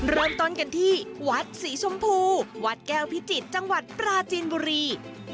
เริ่มต้นกันที่วัดศรีชมพูวัดแก้วพิจิตรจังหวัดปราจีนบุรี